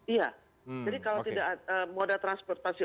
iya jadi kalau tidak moda transportasi